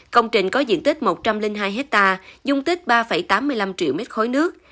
công trình có diện tích một trăm linh hai hectare dung tích ba tám mươi năm triệu m ba nước